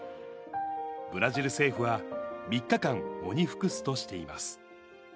ブラジル政府は、３日間、喪に服すとしています。